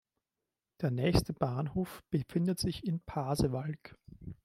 Der nächste Bahnhof befindet sich in Pasewalk.